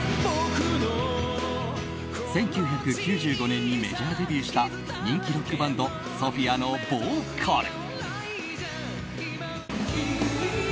１９９５年にメジャーデビューした人気ロックバンドＳＯＰＨＩＡのボーカル。